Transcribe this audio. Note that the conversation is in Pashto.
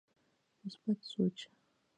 مثبت سوچ